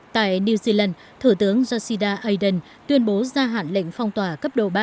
tại new zealand thủ tướng yashida aden tuyên bố gia hạn lệnh phong tỏa cấp độ ba mươi